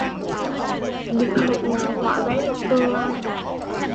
Định mệnh nào hoạ vẽ được tương lai